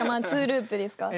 ２ループですか？